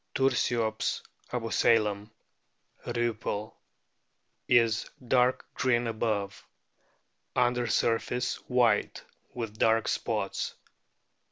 Tursiops abusalam, Riippell,f is dark green above ; under surface white with dark spots.